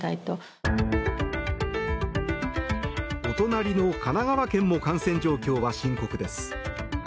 お隣の神奈川県も感染状況は深刻です。